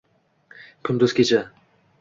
Kunduz, kecha